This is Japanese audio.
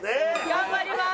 頑張ります！